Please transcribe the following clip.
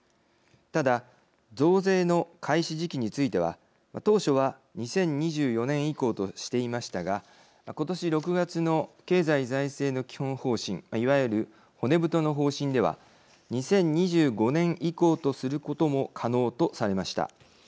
ただ、増税の開始時期については、当初は２０２４年以降としていましたが今年６月の経済財政の基本方針いわゆる骨太の方針では２０２５年以降とすることも可能とされました。